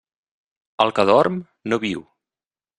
El que dorm, no viu.